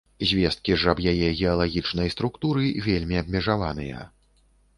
Звесткі ж аб яе геалагічнай структуры вельмі абмежаваныя.